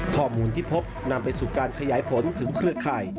ข้อมูลที่พบนำไปสู่การขยายผลถึงเครือข่าย